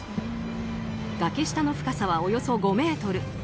崖下の深さはおよそ５ｍ。